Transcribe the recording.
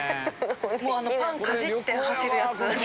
もうパンかじって走るやつ？